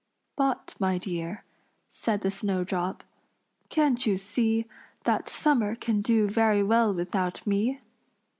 "But, my dear," said the snowdrop, "can't you see That summer can do very well without me?